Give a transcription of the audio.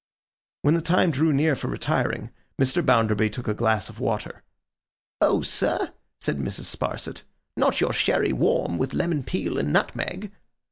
When the time drew near for retiring, Mr. Bounderby took a glass of water. 'Oh, sir?' said Mrs. Sparsit. 'Not your sherry warm, with lemon peel and nutmeg?